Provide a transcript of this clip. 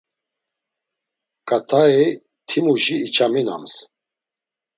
Ǩat̆ai ti-muşi içaminams.